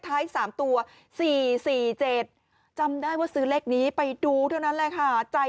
ท้าย๓ตัว๔๔๗จำได้ว่าซื้อเลขนี้ไปดูเท่านั้นแหละค่ะใจ